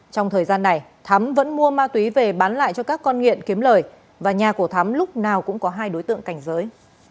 trong thời gian này thắm vẫn mua ma túy về bán lại cho các con nghiện kiếm lời và nhà của thắm lúc nào cũng có hai đối tượng cảnh giới